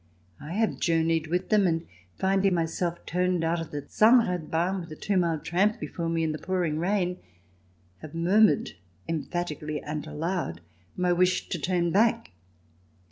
I have journeyed with them, and finding myself turned out of the Zahnradbahn, with a two mile tramp before me in the pouring rain, have mur CH. VI] BEER GARDENS 71 mured emphatically and aloud my wish to turn back.